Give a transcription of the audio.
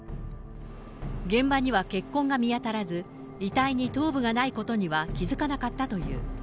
現場には血痕が見当たらず、遺体に頭部がないことには気付かなかったという。